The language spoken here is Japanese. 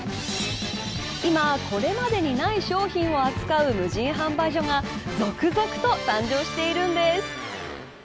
今、これまでにない商品を扱う無人販売所が続々と誕生しているんです。